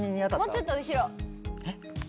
もうちょっと後ろえっ？